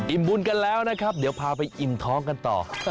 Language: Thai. บุญกันแล้วนะครับเดี๋ยวพาไปอิ่มท้องกันต่อ